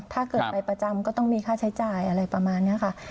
ถ้าเกิดไปประจำก็ต้องมีค่าใช้จ่ายอะไรประมาณนี้ค่ะ